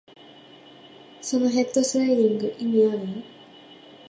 そのヘッドスライディング、意味ある？